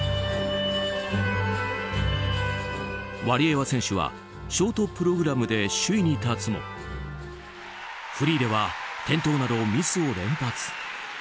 ワリエワ選手はショートプログラムで首位に立つもフリーでは転倒などミスを連発。